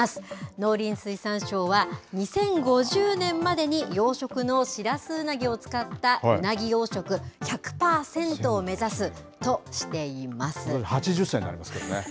農林水産省は、２０５０年までに養殖のシラスウナギを使ったウナギ養殖１００％８０歳になりますけどね。